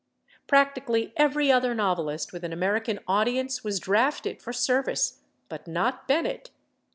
Practically every other novelist with an American audience was drafted for service, but not Bennett.